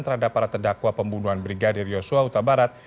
terhadap para terdakwa pembunuhan brigadir yosua utabarat